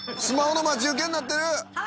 スマホの待ち受けになってる！